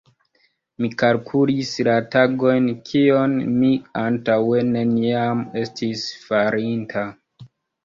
Mi kalkulis la tagojn, kion mi antaŭe neniam estis farinta.